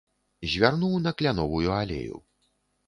Звярнуў на кляновую алею.